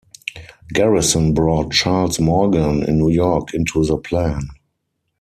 Garrison brought Charles Morgan in New York into the plan.